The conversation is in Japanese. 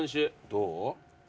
どう？